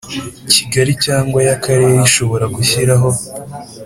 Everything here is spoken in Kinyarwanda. Kigali cyangwa y akarere ishobora gushyiraho